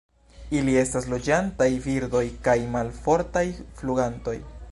Ili estas loĝantaj birdoj kaj malfortaj flugantoj.